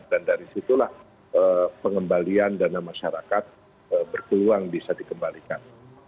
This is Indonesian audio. dan dari situlah pengembalian dana masyarakat berkeluang bisa dikembalikan